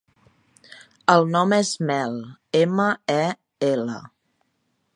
El nom és Mel: ema, e, ela.